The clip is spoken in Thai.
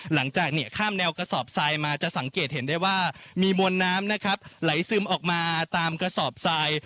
หลังจากข้ามแนวกระสอบทรายมาจะสังเกตเห็นได้ว่ามีมวลน้ำนะครับไหลซึมออกมาตามกระสอบทราย